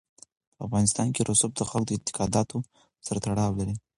په افغانستان کې رسوب د خلکو د اعتقاداتو سره تړاو لري.